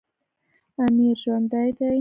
امیر ژوندی دی.